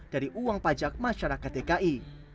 dari uang pajak masyarakat dki